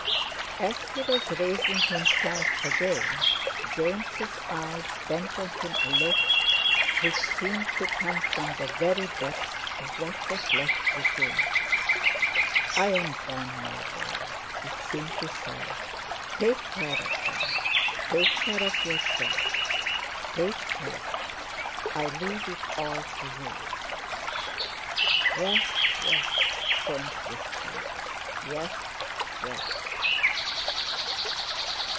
As he was raising himself again, James' eyes bent on him a look which seemed to come from the very depths of what was left within. "I'm done, my boy," it seemed to say, "take care of them, take care of yourself; take care—I leave it all to you." "Yes, Yes," Soames whispered, "yes, yes."